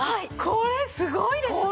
これすごいですね。